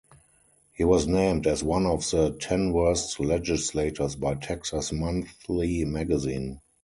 He was named as one of the "Ten Worst Legislators" by "Texas Monthly" magazine.